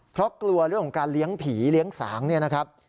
เพราะกลัวเรื่องของการเลี้ยงผีเลี้ยงสางเนี่ยนะครับ